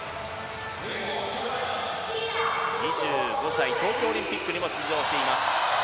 ２５歳、東京オリンピックにも出場しています。